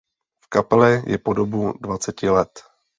V kapele je po dobu dvaceti let.